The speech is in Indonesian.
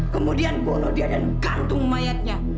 kemudian bola dia dan gantung mayatnya